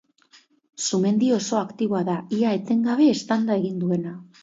Sumendi oso aktiboa da, ia etengabe eztanda egin duena.